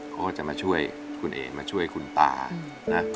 เขาก็จะมาช่วยคุณเอ๋มาช่วยคุณตานะ